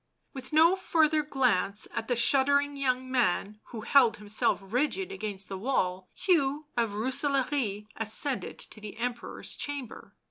With no further glance at the shuddering young man, who held himself rigid against the wall, Hugh of Roose laare ascended to the Emperor's chamber.